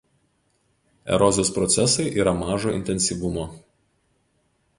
Erozijos procesai yra mažo intensyvumo.